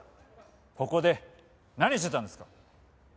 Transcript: ここで何してたんですか？